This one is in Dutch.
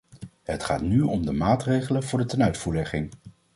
Het gaat nu om de maatregelen voor de tenuitvoerlegging.